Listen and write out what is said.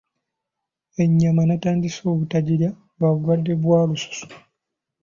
Ennyama nnatandise obutagirya lwa bulwadde bwa Kalusu.